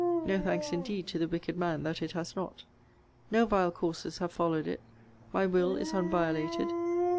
No thanks indeed to the wicked man that it has not. No vile courses have followed it. My will is unviolated.